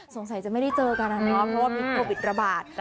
สงสัยจะไม่ได้เจอกันเพราะว่าเพียบโบวิทย์ระบาด